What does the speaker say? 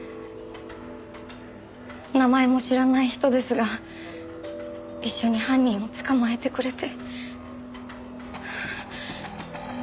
名前も知らない人ですが一緒に犯人を捕まえてくれて。